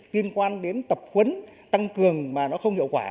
liên quan đến tập quấn tăng cường mà nó không hiệu quả